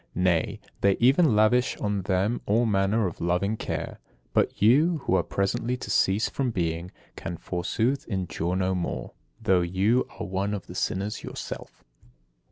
Nay, they even lavish on them all manner of loving care. But you, who are presently to cease from being, can, forsooth, endure no more, though you are one of the sinners yourself!